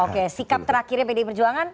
oke sikap terakhirnya pdi perjuangan